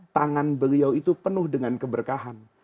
tangan beliau itu penuh dengan keberkahan